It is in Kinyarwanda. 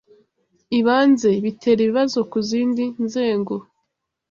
ibanze bitera ibibazo ku zindi nzego